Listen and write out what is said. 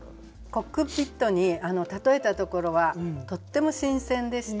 コックピットに例えたところはとっても新鮮でした。